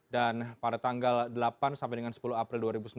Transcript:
dan pada tanggal delapan sampai dengan sepuluh april dua ribu sembilan belas